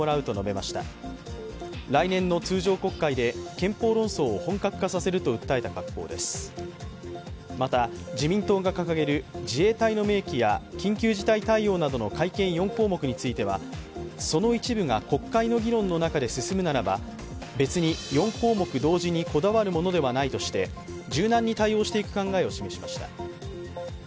また、自民党が掲げる自衛隊の明記や緊急事態対応などの改憲４項目についてはその一部が国会の議論の中で進むならば別に４項目同時にこだわるものではないとして柔軟に対応していく考えを示しました。